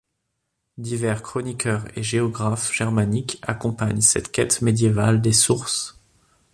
Divers chroniqueurs et géographes germaniques accompagnent cette quête médiévale des sources.